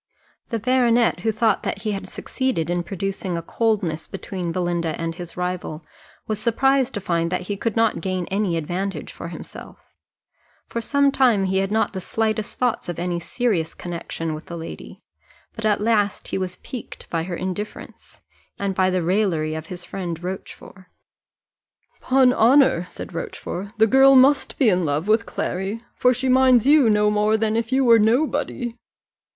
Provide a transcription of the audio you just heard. The baronet, who thought that he had succeeded in producing a coldness between Belinda and his rival, was surprised to find that he could not gain any advantage for himself; for some time he had not the slightest thoughts of any serious connexion with the lady, but at last he was piqued by her indifference, and by the raillery of his friend Rochfort. "'Pon honour," said Rochfort, "the girl must be in love with Clary, for she minds you no more than if you were nobody."